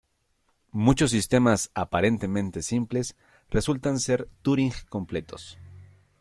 Muchos sistemas aparentemente simples resultan ser Turing completos.